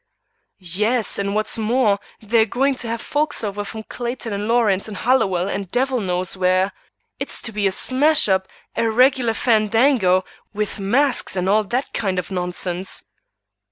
"Yes, and what's more, they are going to have folks over from Clayton and Lawrence and Hollowell and devil knows where. It's to be a smash up, a regular fandango, with masks and all that kind of nonsense."